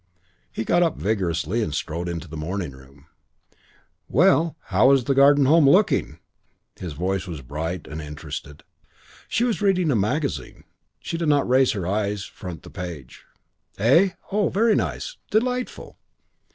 He got up vigorously and strode into the morning room: "Well, how was the Garden Home looking?" His voice was bright and interested. She was reading a magazine. She did not raise her eyes front the page. "Eh? Oh, very nice. Delightful."